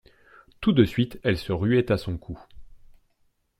Tout de suite elle se ruait à son cou.